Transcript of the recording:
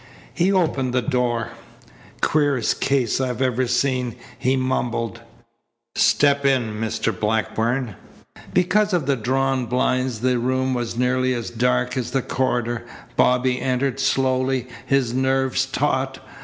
He opened the door. "Queerest case I've ever seen," he mumbled. "Step in, Mr. Blackburn." Because of the drawn blinds the room was nearly as dark as the corridor. Bobby entered slowly, his nerves taut.